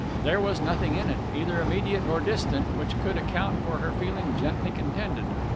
There was nothing in it, either immediate or distant, which could account for her feeling gently contented.